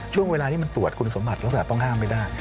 ช่วงเวลานี้มันตรวจคุณสมบัติเราสามารถต้องห้ามไม่ได้